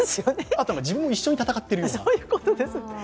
あと、自分も一緒に戦っているような。